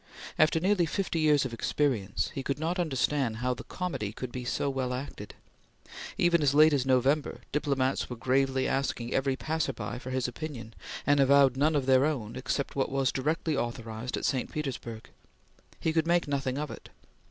After nearly fifty years of experience, he could not understand how the comedy could be so well acted. Even as late as November, diplomats were gravely asking every passer by for his opinion, and avowed none of their own except what was directly authorized at St. Petersburg. He could make nothing of it.